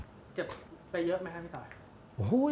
เก็บไปเยอะไหมครับพี่ตาย